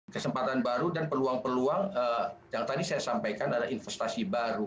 kesempatan baru dan peluang peluang yang tadi saya sampaikan adalah investasi baru